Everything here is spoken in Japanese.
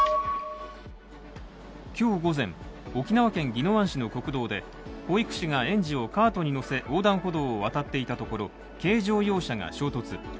今日午前、沖縄県宜野湾市の国道で保育士が園児をカートに乗せ横断歩道を渡っていたところ軽乗用車が衝突。